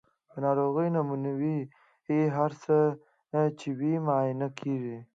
د ناروغۍ نمونې هر څه چې وي معاینه کیږي.